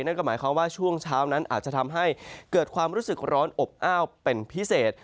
นั่นก็หมายความว่าช่วงเช้านั้นอาจจะทำให้เกิดความรู้สึกร้อนอบอ้าวเป็นพิเศษ